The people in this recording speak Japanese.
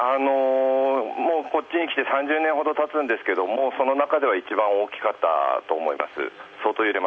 こっちに来て３０年ほどたつんですけど、その中では一番大きかったと思います。